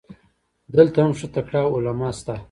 دلته هم ښه تکړه علما سته.